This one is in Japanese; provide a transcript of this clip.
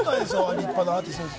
立派なアーティストです。